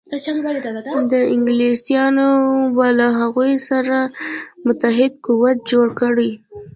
انګلیسیان به له هغوی سره متحد قوت جوړ کړي.